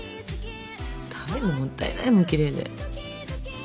食べるのもったいないもんきれいで。